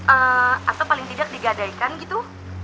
atau paling tidak digadaikan gitu